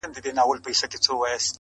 چي یو غم یې سړوم راته بل راسي-